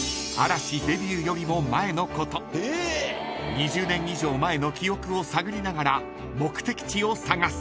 ［２０年以上前の記憶を探りながら目的地を探す］